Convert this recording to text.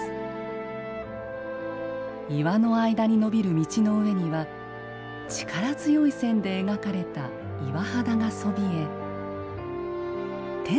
岩の間に伸びる道の上には力強い線で描かれた岩肌がそびえ天